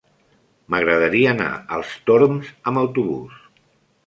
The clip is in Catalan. M'agradaria anar als Torms amb autobús.